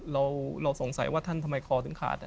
เราสงสัยว่าท่านทำไมคอถึงขาด